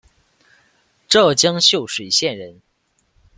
浙江秀水县人。